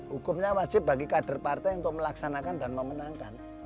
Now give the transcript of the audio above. hukumnya wajib bagi kader partai untuk melaksanakan dan memenangkan